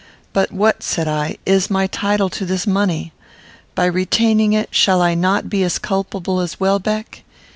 "But what," said I, "is my title to this money? By retaining it, shall I not be as culpable as Welbeck?